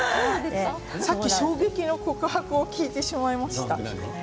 さっき衝撃の告白を聞いてしまいました。